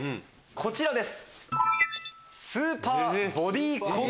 こちらです。